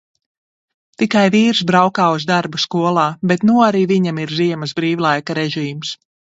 Tikai vīrs braukā uz darbu skolā, bet nu arī viņam ir ziemas brīvlaika režīms.